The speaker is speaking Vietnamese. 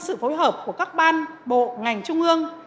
sự phối hợp của các ban bộ ngành trung ương